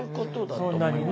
そんなにね。